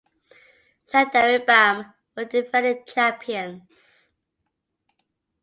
Shahrdari Bam were the defending champions.